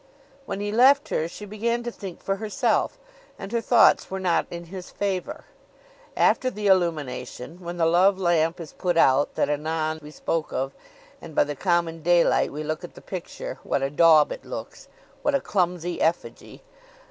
When he left her, she began to think for herself, and her thoughts were not in his favor. After the illumination, when the love lamp is put out that anon we spoke of, and by the common daylight we look at the picture, what a daub it looks! what a clumsy effigy!